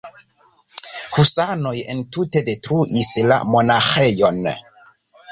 Husanoj ne tute detruis la monaĥejon.